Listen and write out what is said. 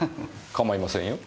構いませんよ。